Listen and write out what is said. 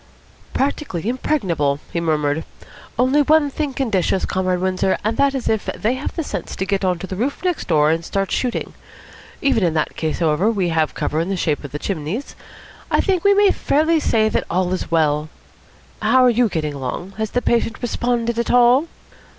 "Practically impregnable," he murmured. "Only one thing can dish us, Comrade Windsor; and that is if they have the sense to get on to the roof next door and start shooting. Even in that case, however, we have cover in the shape of the chimneys. I think we may fairly say that all is well. How are you getting along? Has the patient responded at all?"